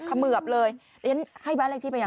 เขมือบเลยแล้วยังให้บ้านเลขที่ไปยัง